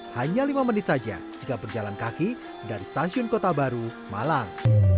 hanya lima menit saja jika berjalan kaki dari stasiun kota baru malang